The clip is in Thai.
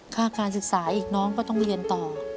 ค่าการศึกษาอีกน้องก็ต้องเรียนต่อ